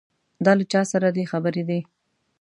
دا له چا سره دې خبرې دي.